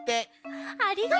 ありがとう。